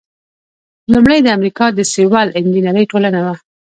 لومړۍ د امریکا د سیول انجینری ټولنه وه.